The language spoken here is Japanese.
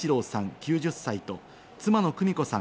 ９０歳と妻の久美子さん